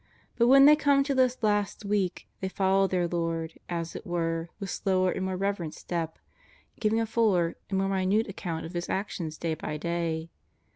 But when they come to this last week they follow their Lord, as it were, with slower and more reverent step, giving a fuller and more minute ac count of His actions day by day.